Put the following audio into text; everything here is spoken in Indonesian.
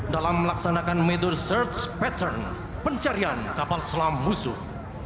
dalam melaksanakan metode search pattern pencarian kapal selam musuh